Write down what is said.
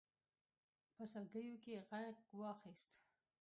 په سلګيو کې يې غږ واېست.